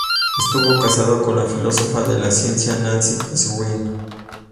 Estuvo casado con la filósofa de la ciencia Nancy Cartwright.